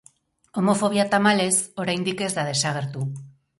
Homofobia, tamalez, oraindik ez da desagertu.